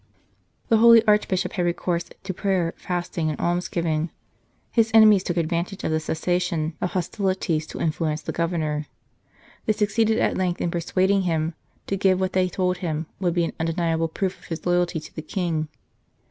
The holy Archbishop had recourse to prayer, fasting, and almsgiving. His enemies took advan tage of the cessation of hostilities to influence the Governor. They succeeded at length in persuad ing him to give what they told him would be an undeniable proof of his loyalty to the King.